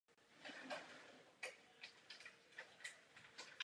Ne, nepřiblíží!